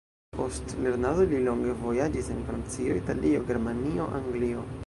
Post lernado li longe vojaĝis en Francio, Italio, Germanio, Anglio.